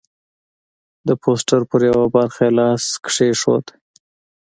د پوسټر پر یوه برخه یې لاس کېښود.